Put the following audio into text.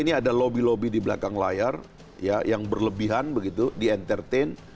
ini ada lobby lobby di belakang layar yang berlebihan begitu di entertain